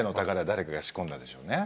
誰かが仕込んだんでしょうね。